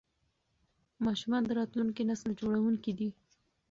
ماشومان د راتلونکي نسل جوړونکي دي.